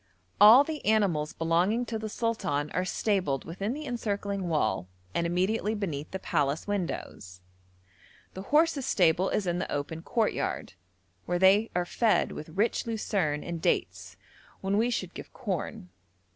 All the animals belonging to the sultan are stabled within the encircling wall, and immediately beneath the palace windows; the horses' stable is in the open courtyard, where they are fed with rich lucerne and dates when we should give corn.